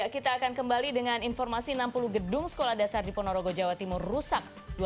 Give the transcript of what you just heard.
kita akan kembali dengan informasi enam puluh gedung sekolah dasar di ponorogo jawa timur rusak